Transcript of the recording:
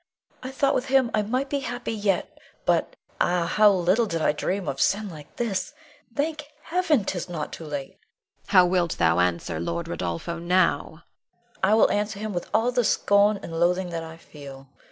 I thought with him I might be happy yet, but Ah, how little did I dream of sin like this! Thank Heaven, 'tis not too late! Norna. How wilt thou answer Lord Rodolpho now? Leonore. I will answer him with all the scorn and loathing that I feel.